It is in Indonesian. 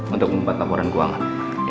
untuk membuat laporan kuangan